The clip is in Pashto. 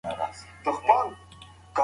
ایا ژبه هویت جوړوي؟